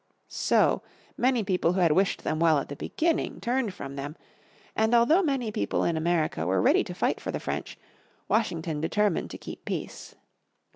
So, many people who had wished them well at the beginning, turned from them, and although many people in America were ready to fight for the French, Washington determined to keep peace.